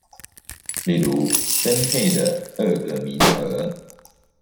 例如分配的二個名額